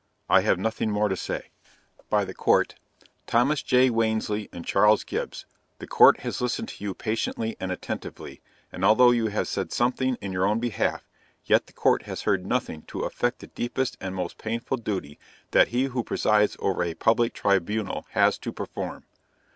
I have nothing more to say. By the Court. Thomas J. Wansley and Charles Gibbs, the Court has listened to you patiently and attentively; and although you have said something in your own behalf, yet the Court has heard nothing to affect the deepest and most painful duty that he who presides over a public tribunal has to perform.